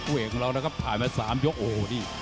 เอกของเรานะครับผ่านมา๓ยกโอ้โหนี่